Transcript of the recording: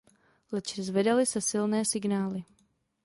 Leč zvedaly se silné signály!